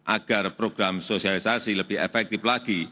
agar program sosialisasi lebih efektif lagi